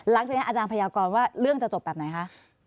หลังจากนี้อาจารย์พยากรว่าเรื่องจะจบแบบไหนคะ